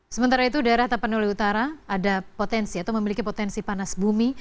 sementara itu daerah tapanuli utara ada potensi atau memiliki potensi panas bumi